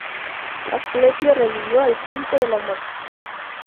Asclepio revivió a Hipólito de la muerte.